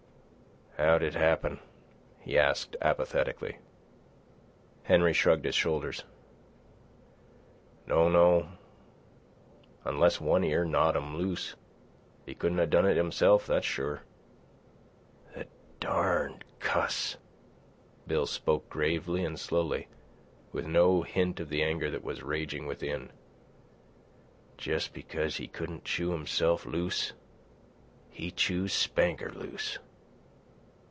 "How'd it happen?" he asked apathetically. Henry shrugged his shoulders. "Don't know. Unless One Ear gnawed 'm loose. He couldn't a done it himself, that's sure." "The darned cuss." Bill spoke gravely and slowly, with no hint of the anger that was raging within. "Jes' because he couldn't chew himself loose, he chews Spanker loose."